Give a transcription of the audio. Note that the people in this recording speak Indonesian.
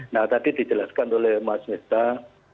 nah tadi dijelaskan oleh mas miftah